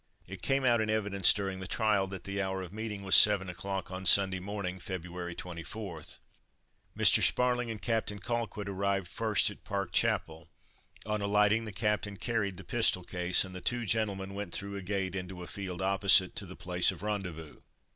It came out in evidence during the trial, that the hour of meeting was seven o'clock on Sunday morning, February 24th. Mr. Sparling and Captain Colquitt arrived first at Park Chapel; on alighting the Captain carried the pistol case, and the two gentlemen went through a gate into a field opposite, to the place of rendezvous.